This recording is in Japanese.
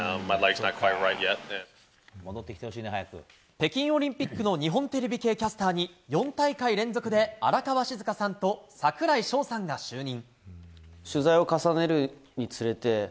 北京オリンピックの日本テレビ系キャスターに４大会連続で荒川静香さんと櫻井翔さんが就任。